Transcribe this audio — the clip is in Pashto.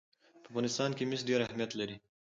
په افغانستان کې مس ډېر اهمیت لري.